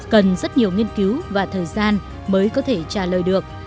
cần rất nhiều nghiên cứu và thời gian mới có thể trả lời được